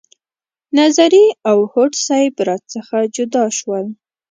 نظري او هوډ صیب را څخه جدا شول.